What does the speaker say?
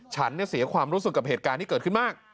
ฉันเสียความรู้สึกกับเหตุการณ์ที่เกิดขึ้นมาก